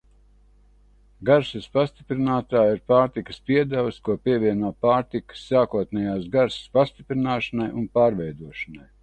Garšas pastiprinātāji ir pārtikas piedevas, ko pievieno pārtikas sākotnējās garšas pastiprināšanai un pārveidošanai.